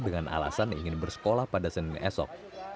dengan alasan ingin bersekolah pada senin esok